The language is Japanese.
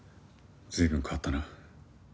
随分変わったな。